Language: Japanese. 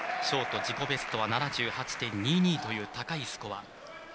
ショート自己ベストは７８．２２という高いスコア。